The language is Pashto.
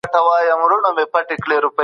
هغه کسان چې کار کوي، بريالي کيږي.